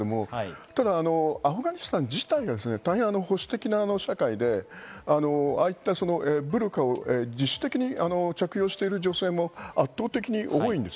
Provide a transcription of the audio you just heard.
ただアフガニスタン自体が保守的な社会でああいったブルカを自主的に着用している女性も圧倒的に多いんです。